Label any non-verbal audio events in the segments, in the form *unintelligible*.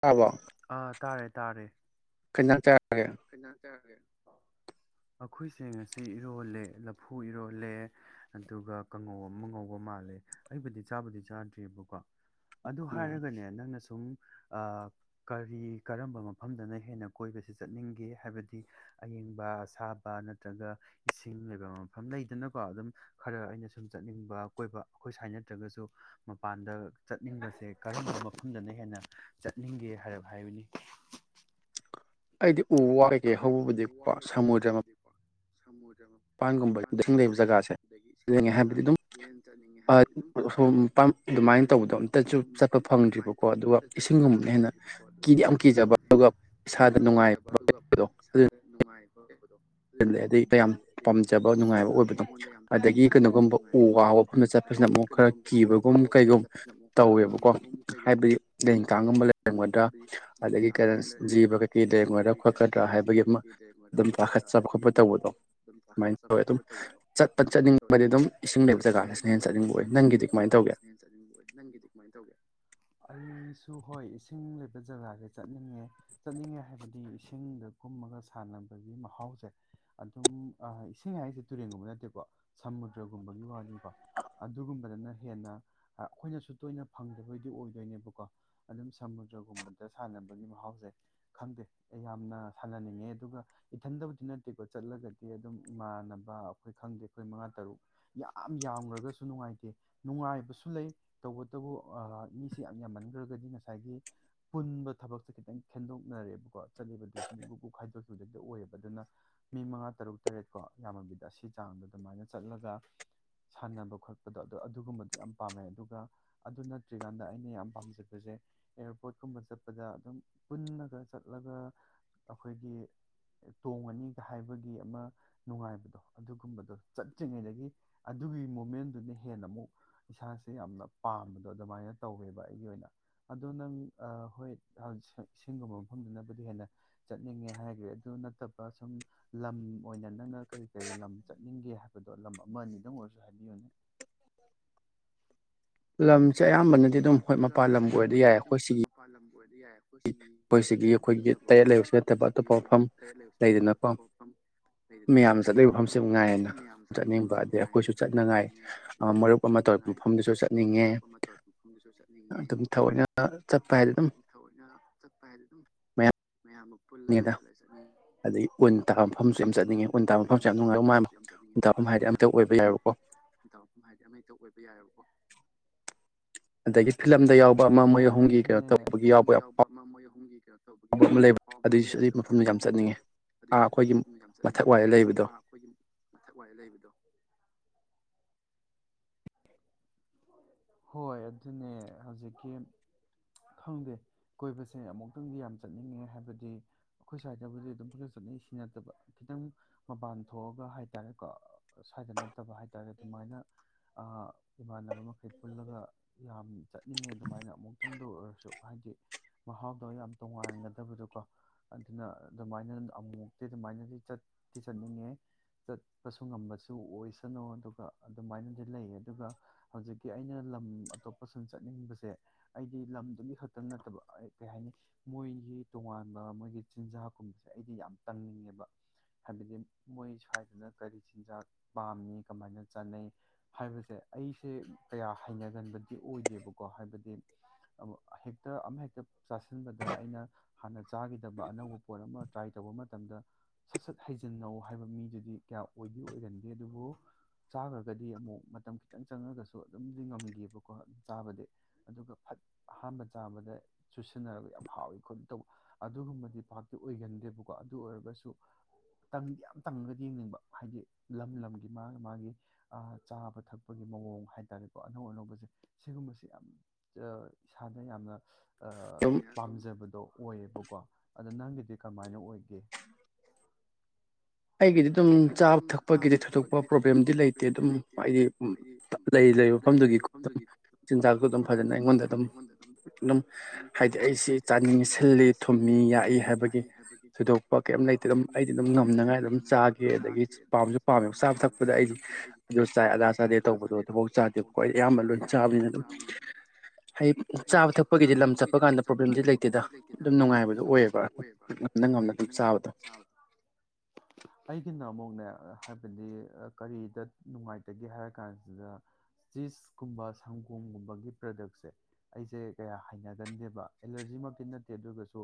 ꯇꯥꯕꯔꯣ꯫ ꯑꯥ ꯇꯥꯔꯦ ꯇꯥꯔꯦ꯫ ꯀꯩ ꯏꯟꯖꯥꯡ ꯆꯥꯔꯒꯦ꯫ ꯀꯩ ꯏꯟꯖꯥꯡ ꯆꯥꯔꯒꯦ ꯑꯩꯈꯣꯏꯁꯦ ꯉꯁꯤ ꯏꯔꯣꯜꯂꯦ ꯂꯐꯨ ꯏꯔꯣꯜꯂꯦ꯫ ꯑꯗꯨꯒ ꯀꯥꯡꯉꯧ ꯑꯃ ꯉꯧꯕ ꯃꯥꯜꯂꯦ ꯑꯩꯕꯨꯗꯤ ꯆꯥꯕꯨꯗꯤ ꯆꯥꯗ꯭ꯔꯤꯕꯀꯣ꯫ ꯑꯗꯨ ꯍꯥꯏꯔꯒꯅꯦ ꯅꯪꯅ ꯁꯨꯝ ꯑ ꯀꯔꯤ ꯀꯔꯝꯕ ꯃꯐꯝꯗꯅ ꯍꯦꯟꯅ ꯀꯣꯏꯕꯁꯤ ꯆꯠꯅꯤꯡꯒꯦ ꯍꯥꯏꯕꯗꯤ ꯑꯌꯡꯕ ꯑꯁꯥꯕ ꯅꯠꯇ꯭ꯔꯒ ꯏꯁꯤꯡ ꯂꯩꯕ ꯃꯐꯝ ꯂꯩꯗꯅꯀꯣ ꯑꯗꯨꯝ ꯈꯔ ꯑꯩꯅ ꯁꯨꯝ ꯆꯠꯅꯤꯡꯕ ꯀꯣꯏꯕ ꯑꯩꯈꯣꯏ ꯁꯥꯏꯠ ꯅꯠꯇ꯭ꯔꯒꯁꯨ ꯃꯄꯥꯟꯗ ꯆꯠꯅꯤꯡꯕꯁꯦ ꯀꯔꯝꯕ ꯃꯐꯝꯗꯅ ꯍꯦꯟꯅ ꯆꯠꯅꯤꯡꯒꯦ ꯍꯥꯏꯔꯥꯞ ꯍꯥꯢꯌꯨꯅꯦ ꯑꯩꯗꯤ ꯎ ꯋꯥ ꯀꯩꯀꯩ ꯍꯧꯕꯕꯨꯗꯤꯀꯣ ꯁꯃꯨꯗ꯭ꯔ ꯁꯃꯨꯗꯔ ꯃꯄꯥꯟꯒꯨꯝꯕ ꯢꯁꯤꯡ ꯂꯩꯕ ꯖꯒꯥꯁꯦ *unintelligible* *unintelligible* ꯍꯥꯏꯕꯗꯤ ꯑꯗꯨꯝ ꯑꯗꯨꯃꯥꯏꯅ ꯇꯧꯕꯗꯣ ꯑꯝꯇꯁꯨ ꯆꯠꯄ ꯐꯪꯗ꯭ꯔꯤꯕꯀꯣ ꯑꯗꯨꯒ ꯏꯁꯤꯡꯒꯨꯝꯕꯅ ꯍꯦꯟꯅ ꯀꯤꯗꯤ ꯌꯥꯝ ꯀꯤꯖꯕ ꯑꯗꯨꯒ ꯀꯤꯗꯤ ꯌꯥꯝ ꯀꯤꯖꯕ ꯑꯗꯨꯒ ꯏꯁꯥꯗ ꯅꯨꯡꯉꯥꯏꯕ ꯑꯣꯏꯕꯗꯣ ꯂ ꯑꯗꯩ ꯌꯥꯝ ꯄꯥꯝꯖꯕ ꯅꯨꯡꯉꯥꯏꯕ ꯑꯣꯏꯕꯗꯣ ꯑꯗꯒꯤ ꯀꯩꯅꯣꯒꯨꯝꯕ ꯎ ꯋꯥ ꯑꯩꯗ ꯆꯠꯄꯁꯤꯅ ꯑꯃꯨꯛ ꯈꯔ ꯀꯤꯕꯒꯨꯝ ꯀꯩꯒꯨꯝ ꯇꯧꯋꯦꯕꯀꯣ ꯍꯥꯏꯕꯗꯤ ꯂꯤꯟ ꯀꯥꯡꯒꯨꯝꯕ ꯂꯩꯔꯝꯒꯗ꯭ꯔꯥ ꯑꯗꯒꯤ ꯀꯩꯅ ꯖꯤꯕ ꯀꯩꯀꯩ ꯂꯩꯔꯝꯒꯗ꯭ꯔꯥ ꯈꯣꯠꯀꯗ꯭ꯔꯥ ꯖꯤꯕ ꯀꯩ ꯀꯩ ꯂꯩꯔꯝꯒꯗ꯭ꯔꯥ ꯈꯣꯠꯀꯗꯔ ꯍꯥꯏꯕꯒꯤ ꯈꯣꯠꯄ ꯇꯧꯕꯗꯣ ꯁꯨꯃꯥꯏꯅ ꯇꯧꯋꯦ ꯑꯗꯨꯝ ꯆꯠꯄ ꯆꯠꯅꯤꯡꯕꯗꯤ ꯑꯗꯨꯝ ꯏꯁꯤꯡ ꯂꯩꯕ ꯖꯒꯥꯁꯤꯅ ꯍꯦꯟꯅ ꯆꯠꯅꯤꯡꯕ ꯑꯣꯏ ꯅꯪꯒꯤꯗꯤ ꯀꯃꯥꯏꯅ ꯇꯧꯒꯦ ꯆꯠꯅꯤꯡꯕ ꯑꯣꯏ ꯅꯪꯒꯤꯗꯤ ꯀꯃꯥꯏꯅ ꯇꯧꯒꯦ ꯑꯩꯁꯨ ꯍꯣꯏ ꯏꯁꯤꯡ ꯂꯩꯕ ꯖꯒꯥꯁꯦ ꯆꯠꯅꯤꯡꯉꯦ ꯆꯠꯅꯤꯡꯉꯦ ꯍꯥꯏꯕꯗꯤ ꯏꯁꯤꯡꯗ ꯀꯨꯝꯃꯒ ꯁꯥꯟꯅꯕꯒꯤ ꯃꯍꯥꯎꯁꯦ ꯑꯗꯨꯝ ꯏꯁꯤꯡ ꯍꯥꯏꯔꯤꯁꯦ ꯇꯨꯔꯦꯟꯒꯨꯝꯕ ꯅꯠꯇꯦꯀꯣ ꯁꯃꯨꯗ꯭ꯔꯒꯨꯝꯕꯒꯤ ꯋꯥꯅꯤꯀꯣ ꯑꯗꯨꯒꯨꯝꯕꯗꯅ ꯍꯦꯟꯅ ꯑꯩꯈꯣꯏꯅꯁꯨ ꯇꯣꯏꯅ ꯐꯪꯗꯕꯩꯗꯤ ꯑꯣꯏꯗꯣꯏꯅꯦꯕꯀꯣ ꯑꯗꯨꯝ ꯁꯃꯨꯗ꯭ꯔꯒꯨꯝꯕꯗ ꯁꯥꯟꯅꯕꯒꯤ ꯃꯍꯥꯎꯁꯦ ꯈꯪꯗꯦ ꯑꯩ ꯌꯥꯝꯅ ꯁꯥꯟꯅꯅꯤꯡꯉꯦ ꯑꯗꯨꯒ ꯏꯊꯟꯗꯕꯨꯗꯤ ꯅꯠꯇꯦꯀꯣ ꯆꯠꯂꯒꯗꯤ ꯑꯗꯨꯝ ꯏꯃꯥꯟꯅꯕ ꯑꯩꯈꯣꯏ ꯈꯪꯗꯦ ꯑꯩꯈꯣꯏ ꯃꯉꯥ ꯇꯔꯨꯛ ꯌꯥꯝ ꯌꯥꯝꯈ꯭ꯔꯒꯁꯨ ꯅꯨꯡꯉꯥꯏꯇꯦ ꯅꯨꯡꯉꯥꯏꯕꯁꯨ ꯂꯩ ꯇꯧꯕꯇꯕꯨ ꯃꯤꯁꯦ ꯌꯥꯝ ꯌꯥꯝꯃꯟꯈ꯭ꯔꯒꯗꯤ ꯉꯁꯥꯏꯒꯤ ꯄꯨꯟꯕ ꯊꯕꯛꯁꯦ ꯈꯤꯇꯪ ꯈꯦꯟꯗꯣꯛꯅꯔꯦꯕꯀꯣ ꯆꯠꯂꯤꯕ ꯒ꯭ꯔꯨꯞ ꯈꯥꯏꯗꯣꯛ ꯍꯦꯛꯇ ꯑꯣꯏꯌꯦꯕ ꯑꯗꯨꯅ ꯃꯤ ꯃꯉꯥ ꯇꯔꯨꯛ ꯇꯔꯦꯠꯀꯣ ꯌꯥꯝꯗꯕꯤꯗ ꯁꯤ ꯆꯥꯡꯗ ꯑꯗꯨꯃꯥꯏꯅ ꯆꯠꯂꯒ ꯁꯥꯟꯅꯕ ꯈꯣꯠꯄꯗꯣ ꯑꯗꯣ ꯑꯗꯨꯒꯨꯝꯕꯗꯣ ꯌꯥꯝ ꯄꯥꯝꯃꯦ ꯑꯗꯨꯒ ꯑꯗꯨ ꯅꯠꯇ꯭ꯔꯤꯀꯥꯟꯗ ꯑꯩꯅ ꯌꯥꯝ ꯄꯥꯝꯖꯕꯁꯦ ꯑꯦꯌꯥꯔꯄꯣꯔꯠꯀꯨꯝꯕ ꯆꯠꯄꯗ ꯑꯗꯨꯝ ꯄꯨꯜꯂꯒ ꯆꯠꯂꯒ ꯑꯈꯣꯏꯒꯤ ꯇꯣꯡꯉꯅꯤꯒ ꯍꯥꯏꯕꯒꯤ ꯑꯃ ꯅꯨꯡꯉꯥꯏꯕꯗꯣ ꯑꯗꯨꯒꯨꯝꯕꯗꯣ ꯆꯠꯇ꯭ꯔꯤꯉꯩꯗꯒꯤ ꯑꯗꯨꯒꯤ ꯃꯨꯃꯦꯟꯗꯨꯅ ꯍꯦꯟꯅ ꯑꯃꯨꯛ ꯏꯁꯥꯁꯦ ꯌꯥꯝꯅ ꯄꯥꯝꯕꯗꯣ ꯑꯗꯨꯃꯥꯏꯅ ꯇꯧꯋꯦꯕ ꯑꯩꯒꯤ ꯑꯣꯏꯅ ꯑꯗꯣ ꯅꯪ ꯍꯣꯏ ꯏꯁꯤꯡꯒꯨꯝꯕ ꯃꯐꯝꯗꯨꯅꯕꯨꯗꯤ ꯍꯦꯟꯅ ꯆꯠꯅꯤꯡꯉꯦ ꯍꯥꯏꯈ꯭ꯔꯦ ꯑꯗꯨ ꯅꯠꯇꯕ ꯁꯨꯝ ꯂꯝ ꯑꯣꯏꯅ ꯅꯪꯅ ꯀꯔꯤ ꯀꯔꯤ ꯂꯝ ꯆꯠꯅꯤꯡꯒꯦ ꯍꯥꯏꯕꯗꯣ ꯂꯝ ꯑꯃꯅꯤ ꯅꯪ ꯑꯣꯏꯔꯁꯨ ꯍꯥꯏꯕꯤꯌꯨꯅꯦ ꯂꯝꯁꯦ ꯑꯌꯥꯝꯕꯅꯗꯤ ꯑꯗꯨꯝ ꯍꯣꯏ ꯃꯄꯥꯟ ꯂꯝꯕꯨ ꯑꯣꯏꯔꯗꯤ ꯌꯥꯏ ꯑꯩꯈꯣꯏ ꯁꯤꯒꯤ ꯃꯄꯥꯜ ꯂꯝ ꯑꯣꯏꯔꯗꯤ ꯌꯥꯏ ꯑꯩꯈꯣꯏ ꯁꯤꯒꯤ ꯅꯠꯇꯕ ꯀꯣ ꯑꯩꯈꯣꯏ ꯁꯤꯒꯤ ꯑꯩꯈꯣꯏꯒꯤ ꯇꯔꯦꯠ ꯂꯩꯕꯁꯤ ꯅꯠꯇꯕ ꯑꯇꯣꯞꯄ ꯃꯐꯝ ꯃꯌꯥꯝꯅ ꯆꯠꯂꯤꯕ ꯃꯐꯝꯁꯤ ꯉꯥꯏꯌꯦꯅ ꯆꯠꯅꯤꯡꯕ ꯑꯗꯩ ꯑꯩꯈꯣꯏꯁꯨ ꯆꯠꯅꯉꯥꯏ ꯃꯔꯨꯞ ꯆꯠꯅꯤꯉꯥꯏ ꯃꯔꯨꯞ ꯑꯃ ꯇꯧꯔꯤ ꯃꯐꯝꯗꯨꯁꯨ ꯆꯠꯅꯤꯡꯉꯦ ꯑꯗꯨꯝ ꯊꯥꯑꯣꯏꯅ ꯆꯠꯄ ꯍꯥꯏꯗꯤ ꯑꯗꯨꯝ ꯃꯌꯥꯝ ꯃꯌꯥꯝꯒ ꯄꯨꯜꯂꯒ ꯆꯠꯂ ꯆꯠꯅꯤꯡꯉꯦ ꯑꯗꯒꯤ ꯎꯟ ꯇꯥꯕ ꯃꯐꯝꯁꯨ ꯌꯥꯝ ꯆꯠꯅꯤꯡꯉꯦ ꯎꯟ ꯇꯥꯕ ꯃꯐꯝꯁꯨ ꯌꯥꯝ ꯅꯨꯡꯉꯥꯏꯗꯧ ꯃꯥꯟ ꯎꯟ ꯇꯥꯐꯝ ꯍꯥꯏꯗꯤ ꯑꯝꯇ ꯑꯣꯏꯕ *unintelligible* ꯌꯥꯔꯀꯣ ꯎꯟ ꯇꯥꯕ ꯃꯐꯝ ꯍꯥꯏꯗꯤ ꯑꯃꯦꯛꯇ ꯑꯣꯏꯕ ꯌꯥꯏꯑꯦꯕꯀꯣ ꯑꯗꯒꯤ ꯐꯤꯂꯝꯗ ꯌꯥꯎꯕ ꯍꯣꯏ ꯑꯗꯨꯅꯦ ꯐꯤꯂꯝꯗ ꯌꯥꯎꯕ ꯑꯃ ꯃꯣꯏ ꯑꯍꯨꯝꯒꯤ ꯀꯩꯅꯣ ꯇꯧꯕꯒꯤ ꯌꯥꯎꯕ ꯌꯥꯝ ꯐꯥꯎꯕ ꯗꯨꯏꯁꯨ ꯑꯗꯨꯏ ꯃꯐꯝꯗꯨ ꯌꯥꯝ ꯆꯠꯅꯤꯡꯉꯦ ꯑꯗꯨꯏꯁꯨ ꯑꯗꯨ ꯃꯐꯝꯗ ꯌꯥꯝ ꯆꯠꯅꯤꯡꯉꯦ ꯑꯥ ꯑꯈꯣꯏꯒꯤ ꯃꯊꯛ ꯋꯥꯏꯗ ꯂꯩꯕꯗꯣ ꯍꯣꯏ ꯑꯗꯨꯅꯦ ꯍꯧꯖꯤꯛꯀꯤ ꯈꯪꯗꯦ ꯀꯣꯏꯕꯁꯦ ꯑꯃꯨꯛꯇꯪꯗꯤ ꯌꯥꯝ ꯆꯠꯅꯤꯡꯉꯦ ꯍꯥꯏꯕꯗꯤ ꯑꯈꯣꯏ ꯁ꯭ꯋꯥꯏꯗꯕꯨꯗꯤ ꯑꯗꯨꯝ ꯄꯪꯆ ꯆꯠꯅꯩ ꯁꯤ ꯅꯠꯇꯕ ꯈꯤꯇꯪ ꯃꯄꯥꯟ ꯊꯣꯛꯑꯒ ꯍꯥꯏꯇꯥꯔꯦꯀꯣ ꯁ꯭ꯋꯥꯏꯗ ꯅꯠꯇꯕ ꯍꯥꯏꯇꯥꯔꯦ ꯑꯗꯨꯃꯥꯏꯅ ꯏꯃꯥꯟꯅꯕ ꯃꯈꯩ ꯄꯨꯜꯂꯒ ꯌꯥꯝ ꯆꯠꯅꯤꯡꯉꯦ ꯑꯗꯨꯃꯥꯏꯅ ꯑꯃꯨꯛꯇꯪꯗ ꯑꯣꯏꯔꯁꯨ ꯍꯥꯏꯗꯤ ꯃꯍꯥꯎꯗꯣ ꯌꯥꯝ ꯇꯣꯉꯥꯟꯒꯗꯕꯗꯣꯀꯣ ꯑꯗꯨꯅ ꯑꯗꯨꯃꯥꯏꯅ ꯑꯃꯨꯛ ꯑꯃꯨꯛꯇꯤ ꯑꯗꯨꯃꯥꯏꯅꯗꯤ ꯆꯠꯇꯤ ꯆꯠꯅꯤꯡꯉꯦ ꯆꯠꯄꯁꯨ ꯉꯝꯕꯁꯨ ꯑꯣꯏꯁꯅꯨ ꯑꯗꯨꯒ ꯑꯗꯨꯃꯥꯏꯅꯗꯤ ꯂꯩ ꯑꯗꯨꯒ ꯍꯧꯖꯤꯛꯀꯤ ꯑꯩꯅ ꯂꯝ ꯑꯇꯣꯞꯄ ꯁꯨꯝ ꯆꯠꯅꯤꯡꯕꯁꯦ ꯑꯩꯗꯤ ꯂꯝꯗꯨꯒꯤ ꯈꯛꯇ ꯅꯠꯇꯕ ꯑꯩ ꯀꯩ ꯍꯥꯏꯅꯤ ꯃꯣꯏꯒꯤ ꯇꯣꯉꯥꯟꯕ ꯃꯣꯏꯒꯤ ꯆꯤꯟꯖꯥꯛꯀꯨꯝꯕꯁꯦ ꯑꯩꯗꯤ ꯌꯥꯝ ꯇꯪꯅꯤꯡꯉꯦꯕ ꯍꯥꯏꯕꯗꯤ ꯃꯣꯏ ꯁ꯭ꯋꯥꯏꯗꯅ ꯀꯔꯤ ꯆꯤꯟꯖꯥꯛ ꯄꯥꯝꯃꯤ ꯀꯃꯥꯏꯅ ꯆꯥꯅꯩ ꯍꯥꯏꯕꯁꯦ ꯑꯩꯁꯦ ꯀꯌꯥ ꯍꯩꯅꯒꯟꯕꯗꯤ ꯑꯣꯏꯗꯦꯕꯀꯣ ꯍꯥꯏꯕꯗꯤ ꯍꯦꯛꯇ ꯑꯃ ꯍꯦꯛꯇ ꯆꯥꯁꯤꯟꯕꯗ ꯑꯩꯅ ꯍꯥꯟꯅ ꯆꯥꯈꯤꯗꯕ ꯑꯅꯧꯕ ꯄꯣꯠ ꯑꯃ ꯇ꯭ꯔꯥꯏ ꯇꯧꯕ ꯃꯇꯝꯗ ꯁꯠ ꯁꯠ ꯍꯩꯖꯤꯟꯅꯧ ꯍꯥꯏꯕ ꯃꯤꯗꯨꯗꯤ ꯀꯌꯥ ꯑꯣꯏꯗꯤ ꯑꯣꯏꯒꯟꯗꯦ ꯑꯗꯨꯕꯨ ꯆꯥꯈ꯭ꯔꯒꯗꯤ ꯑꯃꯨꯛ ꯃꯇꯝ ꯈꯤꯇꯪ ꯆꯪꯉꯒꯁꯨ ꯑꯗꯨꯝꯗꯤ ꯉꯝꯒꯤꯕꯀꯣ ꯑꯗꯨꯝ ꯆꯥꯕꯗꯤ ꯑꯗꯨꯒ ꯐꯠ ꯑꯍꯥꯟꯕ ꯆꯥꯕꯗ ꯆꯨꯁꯤꯟꯅꯔꯒ ꯌꯥꯝ ꯍꯥꯎꯋꯤ ꯈꯣꯠꯂꯤ ꯇꯧꯕ ꯑꯗꯨꯒꯨꯝꯕꯗꯤ ꯄꯥꯛꯇꯤ ꯑꯣꯏꯒꯟꯗꯦꯕꯀꯣ ꯑꯗꯨ ꯑꯣꯏꯔꯒꯁꯨ ꯇꯪꯗꯤ ꯌꯥꯝ ꯇꯪꯉꯒ ꯌꯦꯡꯅꯤꯡꯕ ꯍꯥꯏꯗꯤ ꯂꯝ ꯂꯝꯒꯤ ꯃꯥꯒꯤ ꯃꯥꯒꯤ ꯑ ꯆꯥꯕ ꯊꯛꯄ ꯄꯒꯤ ꯃꯑꯣꯡ ꯍꯥꯏꯇꯥꯥꯔꯦꯀꯣ ꯑꯅꯧ ꯑꯅꯧꯕꯁꯦ ꯁꯤꯒꯨꯝꯕꯁꯦ ꯌꯥꯝ ꯏꯁꯥꯗ ꯌꯥꯝꯅ ꯑ ꯄꯥꯝꯖꯕꯗꯣ ꯑꯣꯏꯌꯦꯕꯀꯣ ꯑꯗꯣ ꯅꯪꯒꯤꯗꯤ ꯀꯃꯥꯏꯅ ꯑꯣꯏꯒꯦ ꯑꯩꯒꯤꯗꯤ ꯑꯗꯨꯝ ꯆꯥꯕ ꯊꯛꯄꯒꯤꯗꯤ ꯊꯣꯏꯗꯣꯛꯄ ꯄ꯭ꯔꯣꯕ꯭ꯂꯦꯝꯗꯤ ꯂꯩꯇꯦ ꯑꯗꯨꯝ ꯍꯥꯏꯗꯤ ꯂꯩ ꯂꯩꯔꯤꯕ ꯃꯐꯝꯗꯨꯒꯤ ꯑꯗꯨꯝ ꯆꯤꯟꯖꯥꯛꯇꯨ ꯑꯗꯨꯝ ꯐꯖꯅ ꯑꯩꯉꯣꯟꯗ ꯑꯗꯨꯝ ꯑꯗꯨꯝ ꯍꯥꯏꯗꯤ ꯑꯩꯁꯤ ꯆꯥꯅꯤꯡꯉꯤ ꯁꯤꯜꯂꯤ ꯊꯨꯝꯃꯤ ꯌꯥꯛꯏ ꯍꯥꯏꯕꯒꯤ ꯊꯣꯏꯗꯣꯛ ꯄꯥ ꯀꯩꯝ ꯂꯩꯇꯦ ꯑꯗꯨꯝ ꯑꯩꯗꯤ ꯑꯗꯨꯝ ꯉꯝꯅꯉꯥꯏ ꯑꯗꯨꯝ ꯆꯥ ꯑꯗꯒꯤ ꯑꯗꯒꯤ ꯄꯥꯝꯁꯨ ꯄꯥꯝꯃꯦꯕ ꯆꯥꯕ ꯊꯛꯄꯗ ꯑꯩꯗꯤ ꯑꯗꯨ ꯆꯥꯏ ꯑꯗꯥ ꯆꯥꯗꯦ ꯇꯧꯕꯗꯣ ꯑꯗꯨꯐꯥꯎ ꯆꯥ ꯕꯣꯛ ꯆꯥꯗ꯭ꯔꯤꯕꯀꫭ ꯑꯩ ꯑꯌꯥꯝꯕꯅ ꯂꯣ ꯆꯥꯕ ꯍꯥꯏꯗꯤ ꯆꯥꯕ ꯊꯛꯄꯒꯤꯗꯤ ꯂꯝ ꯆꯠꯄ ꯀꯥꯟꯗ ꯄ꯭ꯔꯣꯕ꯭ꯂꯦꯝꯗꯤ ꯂꯩꯇꯦꯗ ꯑꯗꯨꯝ ꯅꯨꯡꯉꯥꯏꯕꯗꯣ ꯑꯣꯏꯌꯦꯕ ꯉꯝꯅ ꯉꯝꯅ ꯑꯗꯨꯝ ꯆꯥꯕꯗꯣ ꯑꯩꯒꯤꯅ ꯑꯃꯨꯛꯅꯦ ꯍꯥꯏꯕꯗꯤ ꯀꯔꯤꯗ ꯅꯨꯡꯉꯥꯏꯇꯒꯦ ꯍꯥꯏꯔ ꯀꯥꯟꯁꯤꯗ ꯆꯤꯁꯀꯨꯝꯕ ꯁꯪꯒꯣꯝꯒꯨꯝꯕꯒꯤ ꯄ꯭ꯔꯥꯗꯛꯁꯦ ꯑꯩꯁꯦ ꯀꯌꯥ ꯍꯩꯅꯒꯟꯗꯦꯕ ꯑꯦꯂꯔꯖꯤꯃꯛꯇꯤ ꯅꯠꯇꯦ ꯑꯗꯨꯒꯁꯨ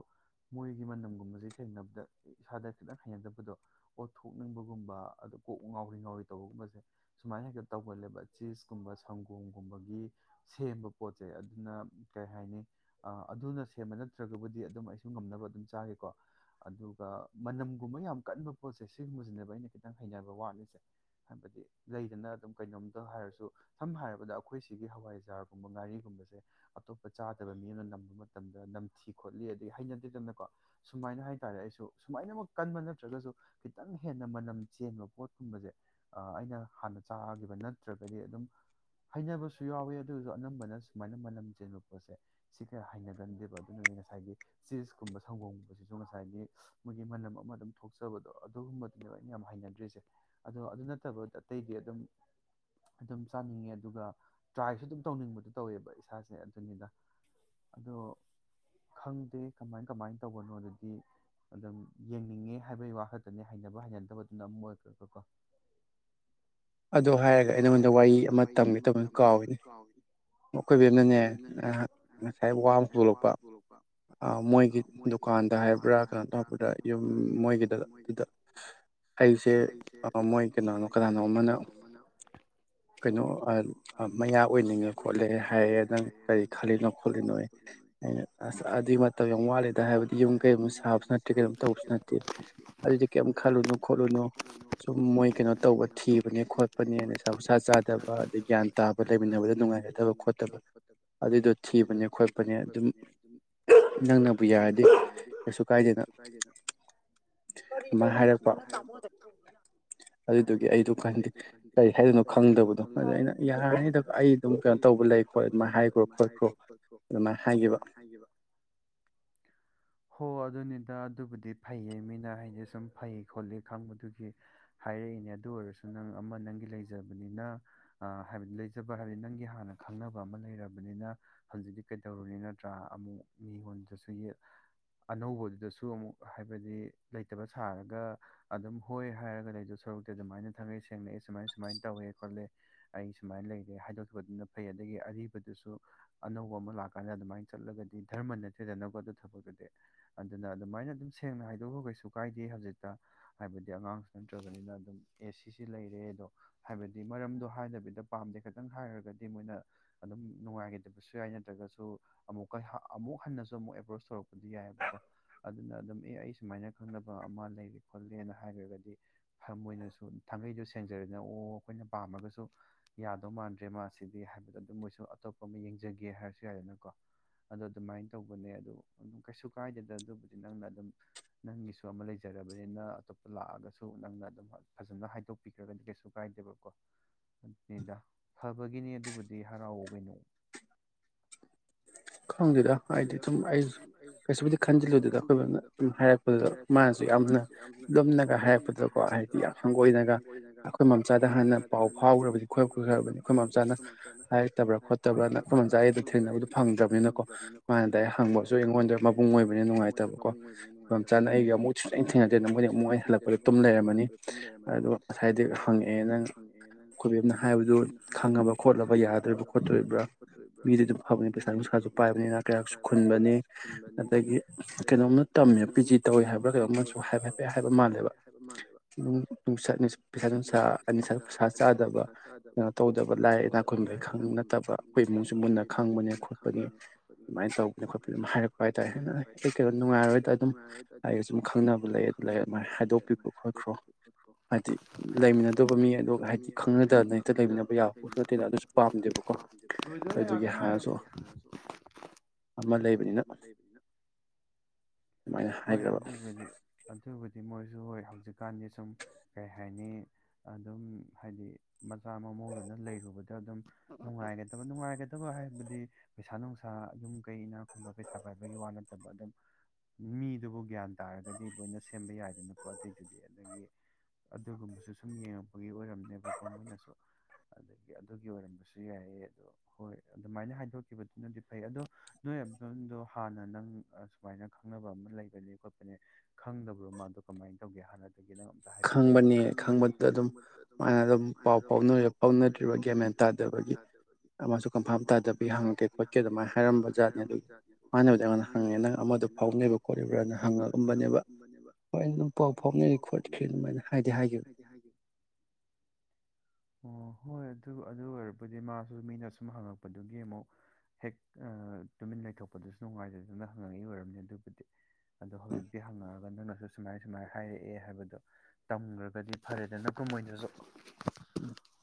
ꯃꯣꯏꯒꯤ ꯃꯅꯝꯒꯨꯝꯕꯁꯦ ꯊꯦꯡꯅꯕꯗ ꯏꯁꯥꯗ ꯈꯤꯇꯪ ꯍꯩꯅꯗꯕꯗꯣ ꯑꯣꯠꯊꯣꯛꯅꯤꯡꯕꯒꯨꯝꯕ ꯑꯗ ꯀꯣꯛ ꯉꯥꯎꯔꯤ ꯉꯥꯎꯔꯤ ꯇꯧꯕꯒꯨꯝꯕꯁꯦ ꯁꯨꯃꯥꯏꯅ ꯍꯦꯛꯇ ꯇꯧꯒꯜꯂꯦꯕ ꯆꯤꯁꯀꯨꯝꯕ ꯁꯪꯒꯣꯝꯒꯨꯝꯕꯒꯤ ꯁꯦꯝꯕ ꯄꯣꯠꯁꯦ ꯑꯗꯨꯅ ꯀꯩ ꯍꯥꯏꯅꯤ ꯑ ꯑꯗꯨꯅ ꯁꯦꯝꯕ ꯅꯠꯇ꯭ꯔꯒꯕꯨꯗꯤ ꯑꯗꯨꯝ ꯑꯩꯁꯨ ꯉꯝꯅꯕ ꯑꯗꯨꯝ ꯆꯥꯏꯌꯦꯀꯣ ꯑꯗꯨꯒ ꯃꯅꯝꯒꯨꯝꯕ ꯌꯥꯝ ꯀꯟꯕ ꯄꯣꯠꯁꯦ ꯁꯤꯒꯨꯝꯕꯁꯤꯅꯦꯕ ꯑꯩꯅ ꯈꯤꯇꯪ ꯍꯩꯅꯕ ꯋꯥꯠꯂꯤꯁꯦ ꯍꯥꯏꯕꯗꯤ ꯂꯩꯗꯅ ꯑꯗꯨꯝ ꯀꯩꯅꯣꯝꯇ ꯍꯥꯏꯔꯁꯨ ꯁꯝꯅ ꯍꯥꯏꯔꯕꯗ ꯑꯩꯈꯣꯏ ꯁꯤꯒꯤ ꯍꯋꯥꯏꯖꯥꯔꯒꯨꯝꯕ ꯉꯥꯔꯤꯒꯨꯝꯕꯁꯦ ꯑꯇꯣꯞꯄ ꯆꯥꯗꯕ ꯃꯤ ꯑꯃꯅ ꯅꯝꯕ ꯃꯇꯝꯗ ꯅꯝꯊꯤ ꯈꯣꯠꯂꯤ ꯑꯗꯒꯤ ꯍꯩꯅꯗꯦꯗꯅꯀꯣ ꯁꯨꯃꯥꯏꯅ ꯍꯥꯏ ꯇꯔꯦ ꯑꯩꯁꯨ ꯁꯨꯃꯥꯏꯅꯃꯛ ꯀꯟꯕ ꯅꯠꯇ꯭ꯔꯒꯁꯨ ꯈꯤꯇꯪ ꯍꯦꯟꯅ ꯃꯅꯝ ꯆꯦꯟꯕ ꯄꯣꯠꯀꯨꯝꯕꯁꯦ ꯑꯩꯅ ꯍꯥꯟꯅ ꯆꯥꯈꯤꯕ ꯅꯠꯇ꯭ꯔꯒꯗꯤ ꯑꯗꯨꯝ ꯍꯩꯅꯕꯁꯨ ꯌꯥꯎꯋꯦ ꯑꯗꯨꯁꯨ ꯑꯅꯝꯕꯅ ꯁꯨꯃꯥꯏꯅ ꯃꯅꯝ ꯆꯦꯟꯕ ꯄꯣꯠꯁꯦ ꯁꯤ ꯀꯌꯥ ꯍꯅꯒꯟꯗꯦꯕ ꯑꯗꯨꯅꯅꯤ ꯉꯁꯥꯏꯒꯤ ꯆꯤꯁꯀꯨꯝꯕ ꯁꯪꯒꯣꯝꯒꯨꯝꯕꯁꯤꯁꯨ ꯉꯁꯥꯏꯒꯤ ꯃꯣꯏꯒꯤ ꯃꯅꯝ ꯑꯃ ꯑꯗꯨꯝ ꯊꯣꯛꯆꯕꯗꯣ ꯑꯗ ꯑꯗꯨꯒꯨꯝꯕꯗꯨꯅꯦꯕ ꯑꯩꯅ ꯌꯥꯝ ꯍꯩꯅꯗ꯭ꯔꯤꯁꯦ ꯑꯗꯣ ꯑꯗꯨ ꯅꯠꯇꯕ ꯑꯇꯩꯗꯤ ꯑꯗꯨꯝ ꯑꯗꯨꯝ ꯆꯥꯅꯤꯡꯉꯦ ꯑꯗꯨꯒ ꯇ꯭ꯔꯥꯏꯁꯨ ꯑꯗꯨꯝ ꯇꯧꯅꯤꯡꯕꯗ ꯇꯧꯋꯦꯕ ꯏꯁꯥꯁꯦ ꯑꯗꯨꯅꯤꯗ ꯑꯗꯣ ꯈꯪꯗꯦ ꯀꯃꯥꯏ ꯀꯃꯥꯏꯅ ꯇꯧꯕꯅꯣ ꯑꯗꯨꯗꯤ ꯑꯗꯨꯝ ꯌꯦꯡꯅꯤꯡꯉꯦ ꯍꯥꯏꯕꯒꯤ ꯋꯥꯈꯥꯛ ꯑꯗꯅꯦ ꯍꯩꯅꯕ ꯍꯩꯅꯗꯕꯗꯨꯅ ꯑꯃ ꯑꯣꯏꯈ꯭ꯔꯒꯀꯣ ꯑꯗ ꯍꯥꯏꯔꯒ ꯑꯩ ꯅꯉꯣꯟꯗ ꯋꯥꯔꯤ ꯑꯃ ꯇꯝꯒꯦ ꯇꯝꯅ ꯀꯥꯎꯏꯅꯦ ꯑꯩꯈꯣꯢ ꯕꯦꯝꯅꯅꯦ ꯉꯁꯥꯏ ꯋꯥ ꯑꯃ ꯍꯧꯗꯣꯛꯂꯛꯄ ꯃꯣꯏꯒꯤ ꯗꯨꯀꯥꯟꯗ ꯍꯥꯏꯕ꯭ꯔꯥ ꯀꯩꯅꯣ ꯇꯧꯔꯕꯗ ꯌꯨꯝ ꯃꯣꯏꯒꯤꯗ ꯑꯗꯨꯗ ꯑꯩꯁꯦ ꯃꯣꯏ ꯀꯅꯥꯅꯣ ꯀꯅꯥꯅꯣ ꯑꯃꯅ ꯅ *unintelligible* ꯀꯩꯅꯣ ꯃꯌꯥ ꯑꯣꯏꯅꯤꯡꯉꯦ ꯈꯣꯠꯂꯦ ꯍꯥꯏꯔꯦ ꯅꯪ ꯀꯔꯤ ꯈꯜꯂꯤꯅꯣ ꯈꯣꯠꯂꯤꯅꯣ ꯑꯩꯅ ꯑꯁ ꯑꯗꯨꯒꯤ ꯃꯇ ꯌꯥꯝ ꯋꯥꯠꯂꯤꯦꯗ ꯍꯥꯏꯕꯗꯤ ꯌꯨꯝ ꯀꯩꯝ ꯁꯥꯕꯁꯨ ꯅꯠꯇꯦ ꯀꯔꯤꯝ ꯇꯧꯕꯁꯨ ꯅꯠꯇꯦ ꯑꯗꯨꯗꯤ ꯀꯔꯤꯝ ꯈꯜꯂꯨꯅꯨ ꯈꯣꯠꯂꯨꯅꯨ ꯁꯨꯝ ꯃꯣꯏ ꯀꯩꯅꯣ ꯇꯧꯕ ꯊꯤꯕ ꯅꯦ ꯈꯣꯠꯄꯅꯦ ꯅꯤꯁꯥ ꯄꯣꯠꯁꯥ ꯆꯥꯗꯕ ꯑꯗꯩ ꯒ꯭ꯌꯥꯟ ꯇꯥꯕ ꯂꯩꯃꯤꯟꯅꯕꯗ ꯅꯨꯡꯉꯥꯏꯖꯗꯕ ꯈꯣꯠꯇꯕ ꯑꯗꯨꯏꯗꯣ ꯊꯤꯕꯅꯦ ꯈꯣꯠꯄꯅꯦ ꯑꯗꯨꯝ ꯅꯪꯅꯕꯨ ꯌꯥꯔꯗꯤ ꯀꯩꯁꯨ ꯀꯥꯏꯗꯦꯅ ꯑꯗꯨꯃꯥꯢ ꯍꯥꯏꯔꯛꯄ ꯑꯗꯨꯗꯨꯒꯤ ꯑꯩꯗꯨ ꯀꯗꯤ ꯀꯔꯤ ꯍꯥꯏꯗꯣꯏꯅꯣ ꯈꯪꯗꯕꯗꯣ ꯑꯗꯨ ꯑꯩꯅ ꯌꯥꯔꯤꯉꯩꯗ ꯑꯩ ꯑꯗꯨꯝ ꯀꯩꯅꯣ ꯇꯧꯕ ꯂꯩ ꯍꯣꯏ ꯍꯥꯏꯈ꯭ꯔꯣ ꯈꯣꯠꯈ꯭ꯔꯣ ꯑꯗꯨꯅ ꯍꯥꯏꯈꯤꯕ ꯍꯣ ꯑꯗꯨꯅꯤꯗ ꯑꯗꯨꯕꯨꯗꯤ ꯐꯩꯌꯦ ꯃꯤꯅ ꯍꯥꯏꯖ ꯁꯨꯝ ꯐꯩ ꯈꯣꯠꯂꯤ ꯈꯪꯕꯗꯨꯒꯤ ꯍꯥꯏꯔꯛꯏꯅꯦ ꯑꯗꯨ ꯑꯣꯏꯔꯁꯨ ꯅꯪ ꯑꯃ ꯅꯪꯒꯤ ꯂꯩꯖꯕꯅꯤꯅ ꯑ ꯍꯥꯏꯕꯗꯤ ꯂꯩꯖꯕ ꯍꯥꯏꯕꯗꯤ ꯅꯪꯒꯤ ꯍꯥꯟꯅ ꯈꯪꯅꯕ ꯑꯃ ꯂꯩꯔꯕꯅꯤꯅ ꯍꯧꯪꯖꯤꯛꯇꯤ ꯀꯩꯗꯧꯔꯨꯅꯤ ꯅꯠꯇ꯭ꯔꯥ ꯑꯃꯨꯛ ꯃꯤꯉꯣꯟꯗꯁꯨ ꯌꯦꯠ ꯑꯅꯧꯕꯗꯨꯗꯁꯨ ꯑꯃꯨꯛ ꯍꯥꯏꯕꯗꯤ ꯂꯩꯇꯕ ꯁꯥꯔꯒ ꯑꯗꯨꯝ ꯍꯣꯏ ꯍꯥꯏꯔꯒꯗꯤ ꯑꯩꯗ ꯁꯔꯨꯛꯇꯤ ꯑꯗꯨꯃꯥꯏꯅ ꯊꯪꯉꯩ ꯁꯦꯡꯅ ꯁꯨꯃꯥꯏ ꯁꯨꯃꯥꯏꯅ ꯇꯧꯋꯦ ꯈꯣꯠꯂꯦ ꯑꯩ ꯁꯨꯃꯥꯏꯅ ꯂꯩꯔꯦ ꯍꯥꯏꯗꯣꯛꯈꯤꯕꯗꯨꯅ ꯐꯩ ꯑꯗꯒꯤ ꯑꯔꯤꯕꯗꯨꯁꯨ ꯑꯅꯧꯕ ꯑꯃ ꯂꯥꯛꯀꯥꯟꯗ ꯑꯗꯨꯃꯥꯏꯅ ꯆꯠꯂꯒꯗꯤ ꯙꯔꯃ ꯅꯠꯇꯦꯗꯅ ꯑꯗꯨ ꯊꯕꯛꯇꯨꯗꯤ ꯑꯗꯨꯅ ꯑꯗꯨꯃꯥꯏꯅ ꯑꯗꯨꯝ ꯁꯦꯡꯅ ꯍꯥꯏꯗꯣꯛꯈꯣ ꯀꯩꯁꯨ ꯀꯥꯏꯗꯦ ꯍꯧꯖꯤꯛꯇ ꯍꯥꯏꯕꯗꯤ ꯑꯉꯥꯡꯁꯨ ꯅꯠꯇ꯭ꯔꯕꯅꯤꯅ ꯑꯗꯨꯝ ꯑꯦ ꯁꯤꯁꯤ ꯂꯩꯔꯦ ꯑꯗꯣ ꯍꯥꯏꯕꯗꯤ ꯃꯔꯝꯗꯣ ꯍꯥꯏꯗꯕꯤꯗ ꯄꯥꯝꯗꯦ ꯈꯤꯇꯪ ꯍꯥꯏꯔꯒꯗꯤ ꯃꯣꯏꯅ ꯑꯗꯨꯝ ꯅꯨꯡꯉꯥꯏꯈꯤꯗꯕꯁꯨ ꯌꯥꯏ ꯅꯠꯇ꯭ꯔꯒꯁꯨ ꯑꯃꯨꯛꯀ ꯑꯃꯨꯛ ꯍꯟꯅꯁꯨ ꯑꯃꯨꯛ ꯑꯦꯄ꯭ꯔꯣꯁ ꯇꯧꯔꯛꯄꯗꯤ ꯌꯥꯏꯑꯕꯀꯣ ꯑꯗꯨꯅ ꯑꯗꯨꯝ ꯑꯦ ꯑꯩ ꯁꯨꯃꯥꯏꯅ ꯈꯪꯅꯕ ꯑꯃ ꯂꯩꯔ ꯈꯣꯠꯂꯦꯅ ꯍꯥꯏꯔꯒꯗꯤ ꯊꯃꯣꯢꯅꯁꯨ ꯊꯥꯡꯉꯩꯗꯣ ꯁꯦꯡꯖꯔꯦꯗꯅ ꯑꯣ ꯑꯩꯈꯣꯏꯅ ꯄꯥꯝꯃꯒꯁꯨ ꯌꯥꯗꯧ ꯃꯥꯟꯗ꯭ꯔꯦ ꯃꯥꯁꯤꯗꯤ ꯍꯥꯏꯕꯗꯣ ꯑꯗꯨꯝ ꯃꯣꯏꯁꯨ ꯑꯇꯣꯞꯄ ꯑꯃ ꯌꯦꯡꯖꯒꯦ ꯍꯥꯏꯔꯁꯨ ꯌꯥꯏꯔꯦꯗꯅꯀꯣ ꯑꯗꯣ ꯑꯗꯨꯃꯥꯏꯅ ꯇꯧꯕꯅꯦ ꯑꯗꯣ ꯑꯗꯨꯝ ꯀꯩꯁꯨ ꯀꯥꯏꯗꯦꯗ ꯑꯗꯨꯕꯨꯗꯤ ꯅꯪꯅ ꯑꯗꯨꯝ ꯅꯪꯒꯤꯁꯨ ꯑꯃ ꯂꯩꯖꯔꯕꯅꯤꯅ ꯑꯇꯣꯞꯄ ꯂꯥꯛꯑꯒꯁꯨ ꯅꯪꯅ ꯑꯗꯨꯝ ꯐꯖꯅ ꯍꯥꯏꯗꯣꯛ ꯄꯤꯈ꯭ꯔꯒꯗꯤ ꯀꯩꯁꯨ ꯀꯥꯏꯗꯕ ꯀꯣ ꯑꯗꯨꯅꯤꯗ ꯐꯕꯒꯤꯅꯤ ꯑꯗꯨꯕꯨꯗꯤ ꯍꯔꯥꯎ ꯀꯩꯅꯣ *inaudible* ꯈꯪꯗꯦꯗ ꯀꯥꯏꯗꯩꯩ ꯁꯨꯝ ꯑꯩ ꯀꯩꯁꯨꯕꯨꯗꯤ ꯈꯟꯖꯤꯜꯂꯨꯗꯦꯗꯥ ꯑꯩꯈꯣꯏ ꯃꯝꯅ ꯁꯨꯝ ꯍꯥꯏꯔꯛꯄꯗꯨꯗ ꯃꯥꯅꯁꯨ ꯌꯥꯝꯅ ꯂꯨꯝꯅꯒ ꯍꯥꯏꯔꯛꯄꯗꯀꯣ ꯍꯥꯏꯗꯤ ꯌꯥꯝ ꯍꯪꯒꯣꯏꯅꯒ ꯑꯩꯈꯣꯏ ꯃꯝꯆꯥꯗ ꯍꯥꯟꯅ ꯄꯥꯎ ꯐꯥꯎꯈ꯭ꯔꯕꯗꯤ ꯈꯣꯏ ꯀꯣꯏꯈ꯭ꯔꯕꯅꯤ ꯑꯩꯈꯣꯏ ꯃꯆꯥꯅ ꯍꯥꯏꯔꯛꯇꯕꯥ ꯈꯣꯠ ꯇꯕ꯭ꯔꯅ ꯈꯣꯏ ꯃꯥꯝꯆꯒꯥ ꯑꯩꯒꯗꯤ ꯊꯦꯡꯅꯕꯗꯨ ꯐꯪꯗ꯭ꯔꯕꯅꯤ ꯅꯀꯣ ꯃꯥꯅ ꯗꯥꯏꯔꯦꯛ ꯍꯪꯕꯁꯨ ꯑꯩꯉꯣꯟꯗ ꯃꯕꯨꯡ ꯑꯣꯏꯕꯅꯤꯅ ꯅꯨꯡꯉꯥꯏꯇꯕꯀꯣ ꯃꯥꯝꯆꯥꯅ ꯑꯩꯒꯤ ꯑꯃꯨꯛ ꯁꯨꯡꯊꯦꯡ ꯇꯦꯡꯅꯥꯗꯦꯅ ꯃꯣꯏꯗꯤ ꯑꯃꯨꯛ ꯑꯩ ꯍꯜꯂꯛꯄꯗ ꯇꯨꯝ ꯂꯩꯔꯝꯃꯅꯤ ꯑꯗꯣ ꯉꯁꯥꯏꯗꯤ ꯍꯪꯉꯛꯑꯦ ꯅꯪ ꯑꯩꯈꯣꯏꯕꯦꯝꯅ ꯍꯥꯏꯕꯗꯨ ꯈꯪꯉꯕꯥꯔ ꯈꯣꯠꯂꯕ ꯌꯥꯗꯣꯔꯤꯕꯥꯔ ꯈꯣꯠꯇꯣꯔꯤꯕ꯭ꯔꯥ ꯃꯤꯗꯤ ꯑꯗꯨꯝ ꯐꯪꯕꯅꯤ ꯄꯩꯁꯥ ꯄꯩꯁꯥ ꯅꯨꯡꯁꯥꯁꯨ ꯄꯥꯏꯕꯅꯤꯅ ꯏꯅꯥꯛ ꯀꯩꯔꯥꯛꯁꯨ ꯈꯨꯟꯕꯅꯤ ꯑꯗꯒꯤ ꯀꯩꯅꯣꯝꯃꯥ ꯇꯝꯅꯤ ꯄꯤꯖꯤ ꯇꯧꯏ ꯍꯥꯏꯕ꯭ꯔꯥ ꯀꯩꯅꯣꯝ ꯑꯃꯁꯨ ꯍꯥꯏꯐꯦꯠ ꯍꯥꯏꯐꯦꯠ ꯍꯥꯏꯕ ꯃꯥꯜꯂꯦꯕ ꯑꯗꯨꯝ ꯅꯨꯡ ꯁꯥ ꯅꯤꯁꯥ ꯄꯩꯁꯥ ꯅꯨꯡꯁꯥ ꯑꯅꯤꯁꯥ ꯄꯩꯁꯥ ꯆꯥꯗꯕ ꯀꯩꯅꯣ ꯇꯧꯗꯕ ꯂꯥꯏ ꯏꯅꯥ ꯈꯨꯟꯕꯩ ꯈꯛ ꯅꯠꯇꯕ ꯑꯗꯨꯒ ꯑꯩꯈꯣꯏ ꯏꯃꯨꯡꯁꯨ ꯃꯨꯟꯅ ꯈꯪꯕꯅꯦ ꯑꯗꯨꯃꯥꯏꯅ ꯇꯧꯕꯅꯦ ꯈꯣꯠꯄ ꯑꯗꯨꯝ ꯍꯥꯏꯔꯛꯄ ꯍꯥꯏꯇꯥꯔꯦ ꯑꯩ ꯀꯩꯅꯣ ꯅꯨꯡꯉꯥꯏꯔꯣꯏꯗ ꯑꯗꯨꯝ ꯑꯩꯒ ꯁꯨꯝ ꯈꯪꯅꯕ ꯂꯩ ꯑꯗꯨ ꯂꯩ ꯑꯗꯨꯃꯥꯏꯅ ꯍꯥꯏꯗꯣꯛꯄꯤꯈ꯭ꯔꯣ ꯈꯣꯠꯈ꯭ꯔꯣ ꯍꯥꯏꯗꯤ ꯂꯩꯃꯤꯟꯅ ꯑꯗꯨꯕꯨ ꯃꯤ ꯑꯗꯣ ꯍꯥꯏꯗꯤ ꯈꯪꯅꯗꯅ ꯍꯦꯛꯇ ꯂꯩꯃꯤꯟꯅꯕ ꯌꯥꯕꯁꯨ ꯅꯠꯇꯦꯅ ꯑꯗꯨꯁꯨ ꯄꯥꯝꯗꯦꯕꯀꯣ ꯑꯗꯨꯒꯤ ꯍꯥꯏꯔꯁꯨ *unintelligible* ꯑꯃ ꯂꯩꯕꯅꯤꯅ ꯍꯣꯏ ꯑꯗꯨꯕꯨꯗꯤ ꯑꯗꯨꯕꯨꯗꯤ ꯃꯣꯏꯁꯨ ꯍꯣꯏ ꯍꯧꯖꯤꯛꯀꯥꯟꯗꯤ ꯁꯨꯝ ꯀꯩ ꯍꯥꯏꯅꯤ ꯑꯗꯨꯝ ꯍꯥꯏꯗꯤ ꯃꯆꯥ ꯃꯃꯧꯗꯨꯅ ꯂꯩꯔꯨꯕꯗ ꯑꯗꯨꯝ ꯅꯨꯡꯉꯥꯏꯒꯗꯕ ꯅꯨꯡꯉꯥꯏꯒꯗꯕ ꯍꯥꯏꯕꯗꯤ ꯄꯩꯁꯥ ꯅꯨꯡꯁꯥ ꯌꯨꯝ ꯀꯩ ꯏꯅꯛ ꯈꯨꯟꯕ ꯄꯩꯁꯥ ꯄꯥꯏꯕꯒꯤ ꯋꯥ ꯅꯠꯇꯕ ꯑꯗꯨꯝ ꯃꯤꯗꯨꯕꯨ ꯒ꯭ꯌꯥꯟ ꯇꯥꯔꯒꯗꯤ ꯂꯣꯏꯅ ꯁꯦꯝꯕ ꯌꯥꯏꯗꯅꯀꯣ ꯑꯗꯨꯏꯗꯨꯗꯤ ꯑꯗꯒꯤ ꯑꯗꯨꯒꯨꯝꯕꯁꯨ ꯁꯨꯝ ꯌꯦꯡꯉꯛꯄꯒꯤ ꯑꯣꯏꯔꯝꯅꯦꯕꯀꯣ ꯃꯣꯏꯅꯁꯨ ꯑꯗꯒꯤ ꯑꯗꯨꯒꯤ ꯑꯣꯏꯔꯝꯕꯁꯨ ꯌꯥꯏꯌꯦ ꯑꯗꯣ ꯍꯣꯏ ꯑꯗꯨꯃꯥꯏꯅ ꯍꯥꯏꯗꯣꯛꯈꯤꯕꯗꯨꯅꯗꯤ ꯐꯩ ꯑꯗꯣ ꯅꯣꯏ ꯑꯃꯗꯣ ꯍꯥꯟꯅ ꯅꯪ ꯁꯨꯃꯥꯏꯅ ꯈꯪꯅꯕ ꯑꯃ ꯂꯩꯕꯅꯤ ꯈꯣꯠꯄꯅꯦ ꯈꯪꯗꯕ꯭ꯔꯣ ꯃꯥꯗꯣ ꯀꯃꯥꯏꯅ ꯇꯧꯒꯦ ꯍꯥꯟꯅꯗꯒꯤ ꯅꯪ ꯈꯪꯕꯅꯦ ꯈꯪꯕꯗꯨꯗ ꯑꯗꯨꯝ ꯃꯥꯅ ꯑꯗꯨꯝ ꯄꯥꯎ ꯐꯥꯎꯅꯩꯔꯥ ꯐꯥꯎꯅꯗ꯭ꯔꯤꯕ ꯒꯤꯌꯟ ꯃꯦꯟ ꯇꯥꯗꯕꯒꯤ ꯑꯃꯁꯨ ꯀꯟꯐꯥꯔꯝ ꯇꯥꯗꯕꯤ ꯍꯪꯉꯛꯀꯦ ꯈꯣꯠꯀꯦ ꯑꯗꯨꯃꯥꯏꯅ ꯍꯥꯏꯔꯝꯕ ꯖꯥꯠꯅꯤ ꯑꯗꯨ ꯃꯥꯟꯅꯕꯨꯗꯤ ꯑꯩꯉꯣꯟꯗ ꯍꯪꯉꯦ ꯅꯪ ꯑꯃꯗꯣ ꯄꯥꯎ ꯐꯥꯎꯅꯥꯔꯤꯕꯔꯥ ꯈꯣꯠꯂꯤꯕ꯭ꯔꯅ ꯍꯪꯉꯛꯑꯝꯕꯅꯦꯕ ꯍꯣꯏ ꯑꯗꯨꯝ ꯄꯥꯎ ꯐꯥꯎꯅꯔꯤ ꯈꯣꯠꯂꯤ *unintelligible* ꯍꯥꯏꯗꯤ ꯍꯥꯏꯈꯤꯕꯥꯅꯤ ꯑꯣ ꯍꯣꯏ ꯑꯗꯨ ꯑꯗꯨ ꯑꯣꯏꯔꯕꯨꯗꯤ ꯃꯥꯁꯨ ꯃꯤꯅ ꯁꯨꯝ ꯍꯪꯉꯛꯄꯗꯨꯒꯤ ꯑꯃꯨꯛ ꯍꯦꯛ ꯑꯥ ꯇꯨꯃꯤꯟ ꯂꯩꯊꯣꯛꯄꯗꯨꯁꯨ ꯅꯨꯡꯉꯥꯏꯖꯗꯅ ꯍꯪꯉꯛꯏ ꯑꯣꯏꯔꯝꯅꯤ ꯑꯗꯨ ꯑꯗꯣ ꯍꯧꯖꯤꯛꯇꯤ ꯍꯪꯉꯛꯑꯒ ꯅꯪꯅꯁꯨ ꯁꯨꯃꯥꯏ ꯁꯨꯃꯥꯏꯅ ꯍꯥꯏꯔꯛꯑꯦ ꯍꯥꯏꯕꯗꯣ ꯇꯝꯈ꯭ꯔꯒꯗꯤ ꯐꯔꯦꯗꯅꯀꯣ ꯃꯣꯏꯗꯁꯨ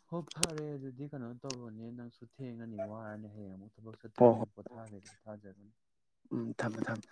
ꯍꯣꯏ ꯐꯔꯦ ꯑꯗꯨꯗꯤ ꯀꯩꯅꯣ ꯇꯧꯔꯣꯅꯦ ꯅꯪꯁꯨ ꯊꯦꯡꯉꯅꯤ ꯋꯥꯔꯅꯤ ꯍꯌꯦꯡ ꯑꯃꯨꯛ ꯊꯕꯛ ꯆꯠꯇꯣꯏꯅꯤꯅ ꯄꯣꯊꯥꯒꯦꯁꯨ ꯄꯣꯊꯥꯖꯔꯥꯁꯥꯅꯨ ꯎꯝ ꯊꯝꯃꯦ ꯊꯝꯃꯦ